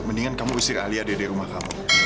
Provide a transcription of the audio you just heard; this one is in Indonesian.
mendingan kamu urusin ali aja dari rumah kamu